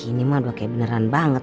ih ini mah kayak beneran banget